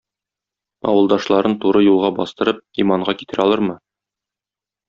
Авылдашларын туры юлга бастырып, иманга китерә алырмы?